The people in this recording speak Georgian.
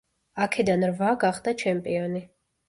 აქედან რვა გახდა ჩემპიონი.